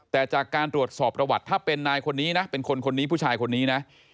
แต่จากการตรวจสอบประวัติถ้าเป็นนายคนนี้นะเป็นคนคนนี้ผู้ชายคนนี้นะ